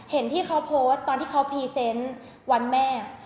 เห็นที่เขาโพสต์ตอนที่เขาพรีเซนต์วันแม่